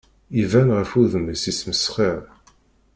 Iban ɣef wudem-is yesmesxir.